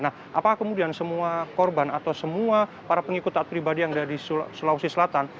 nah apakah kemudian semua korban atau semua para pengikut taat pribadi yang ada di sulawesi selatan